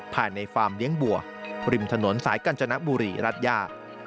ภายในฟาร์มเลี้ยงบัวริมถนนสายกัญจนบุรีรัดย่า